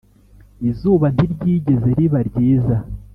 izuba ntiryigeze riba ryiza,